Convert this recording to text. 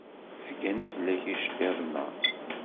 Zgan-d fell-ak yiceḍḍiḍen-a.